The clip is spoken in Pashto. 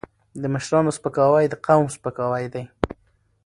د مشرانو سپکاوی د قوم سپکاوی دی.